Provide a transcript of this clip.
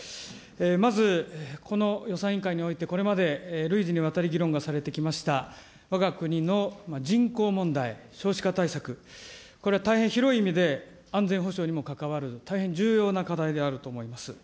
まず、この予算委員会において、これまで累次にわたり議論がされてきました、わが国の人口問題、少子化対策、これは大変広い意味で、安全保障にも関わる大変重要な課題であると思います。